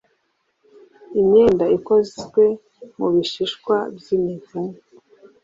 imyenda ikozwe mu bishishwa by’imivumu